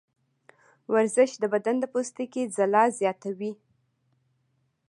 ورزش د بدن د پوستکي ځلا زیاتوي.